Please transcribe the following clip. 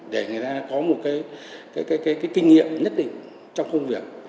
để người ta có một kinh nghiệm nhất định trong công việc